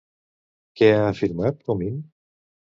Què ha afirmat, Comín?